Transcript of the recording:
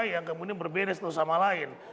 yang kemudian berbeda satu sama lain